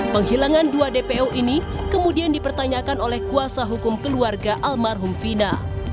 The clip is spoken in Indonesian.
penghilangan dua dpo ini kemudian dipertanyakan oleh kuasa hukum keluarga almarhum vina